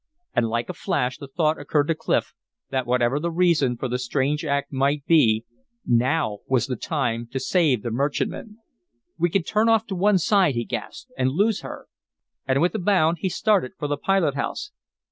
And like a flash the thought occurred to Clif that whatever the reason for the strange act might be, now was the time to save the merchantman. "We can turn off to one side!" he gasped, "and lose her!" And with a bound he started for the pilot house.